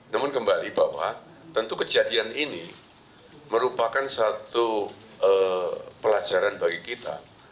namun kembali bapak tentu kejadian ini merupakan satu pelajaran bagi kita